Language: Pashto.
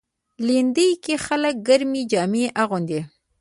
لېندۍ کې خلک ګرمې جامې اغوندي.